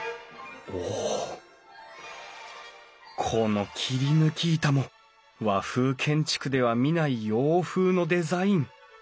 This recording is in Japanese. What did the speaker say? この切り抜き板も和風建築では見ない洋風のデザイン。